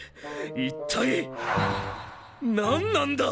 一体何なんだ！？